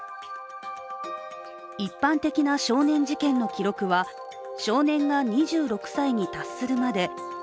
一般的な少年事件の記録は、少年が２６歳に達するまで。